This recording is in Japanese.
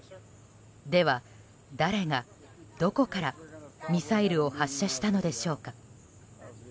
では誰がどこからミサイルを発射したのでしょうか。